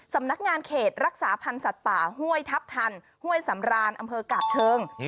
สำนักงานเขตรักษาพันธ์สัตว์ป่าห้วยทัพทันห้วยสำรานอำเภอกาบเชิง